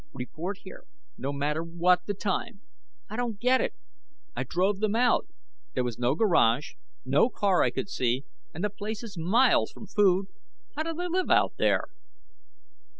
'Report here, no matter what the time.' I don't get it. I drove them out. There was no garage, no car I could see, and the place is miles from food. How do they live out there?"